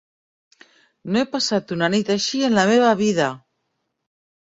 No he passat una nit així en la meva vida!